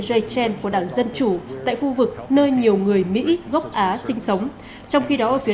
jen của đảng dân chủ tại khu vực nơi nhiều người mỹ gốc á sinh sống trong khi đó ở phía